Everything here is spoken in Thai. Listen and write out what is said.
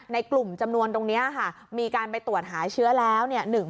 ในกลุ่มจำนวนตรงนี้ค่ะมีการไปตรวจหาเชื้อแล้วเนี่ย